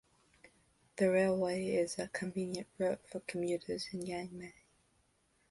The railway is a convenient route for commuters in Yangmei.